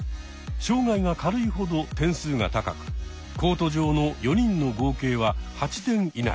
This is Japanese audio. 障害が軽いほど点数が高くコート上の４人の合計は８点以内。